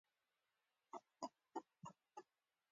منطق حکم کوي.